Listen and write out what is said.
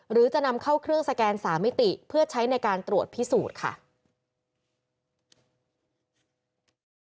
หรือจะนำเข้าเครื่องสแกน๓มิติเพื่อใช้ในการตรวจพิสูจน์ค่ะ